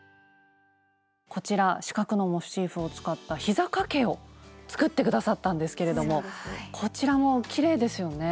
こちら四角のモチーフを使ったひざかけを作って下さったんですけれどもこちらもきれいですよね。